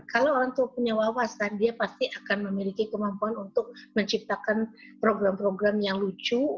kalau orang tua punya wawasan dia pasti akan memiliki kemampuan untuk menciptakan program program yang lucu